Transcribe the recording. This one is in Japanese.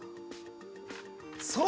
そう。